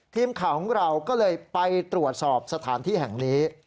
ทีมข่าวของเราก็เลยไปตรวจสอบสถานที่แห่งนี้